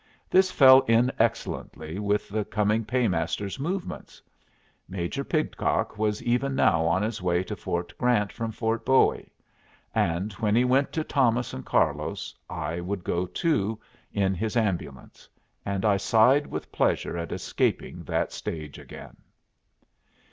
This fell in excellently with the coming paymaster's movements. Major Pidcock was even now on his way to Fort Grant from Fort Bowie; and when he went to Thomas and Carlos I would go, too, in his ambulance; and I sighed with pleasure at escaping that stage again.